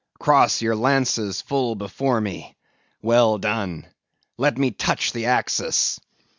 Cross your lances full before me. Well done! Let me touch the axis."